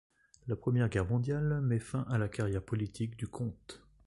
La Première Guerre mondiale met fin à la carrière politique du comte.